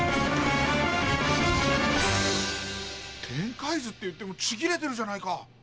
展開図っていってもちぎれてるじゃないか！